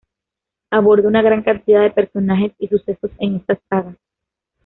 Aborda una gran cantidad de personajes y sucesos en estas sagas.